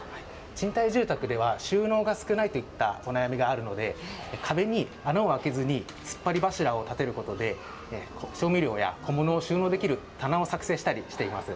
賃貸住宅では、収納が少ないといったお悩みがあるので、壁に穴を開けずに突っ張り柱を立てることで、調味料や小物を収納できる棚を作製したりしています。